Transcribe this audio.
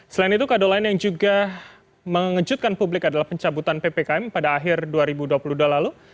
selain itu kado lain yang juga mengejutkan publik adalah pencabutan ppkm pada akhir dua ribu dua puluh dua lalu